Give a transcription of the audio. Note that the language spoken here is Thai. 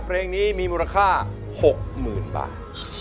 เพลงนี้มีมูลค่า๖๐๐๐บาท